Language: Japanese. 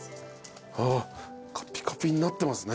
カピカピになってますね。